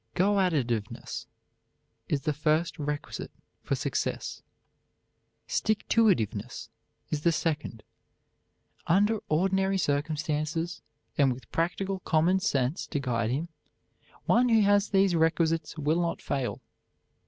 Go at it iveness is the first requisite for success. Stick to it iveness is the second. Under ordinary circumstances, and with practical common sense to guide him, one who has these requisites will not fail.